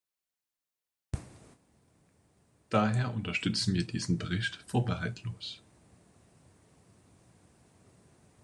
Daher unterstützen wir diesen Bericht vorbehaltlos.